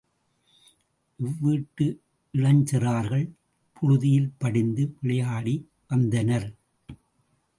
இவ்வீட்டு இளஞ்சிறுவர்கள் புழுதியில் படிந்து விளையாடி வந்தனர்.